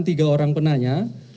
tiga orang penanya